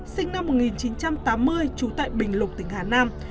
sinh năm một nghìn chín trăm tám mươi trú tại bình lục tỉnh hà nam